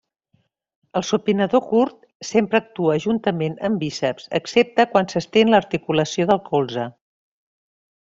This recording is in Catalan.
El supinador curt sempre actua juntament amb bíceps, excepte quan s'estén l'articulació del colze.